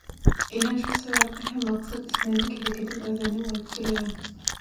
Ine şu sebäpli hem maksat islendik hereketiň özeni bolup durýar.